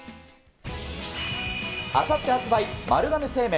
あさって発売、丸亀製麺